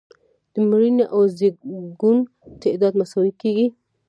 د مړینې او زیږون تعداد مساوي کیږي.